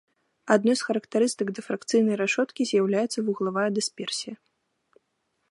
Адной з характарыстык дыфракцыйнай рашоткі з'яўляецца вуглавая дысперсія.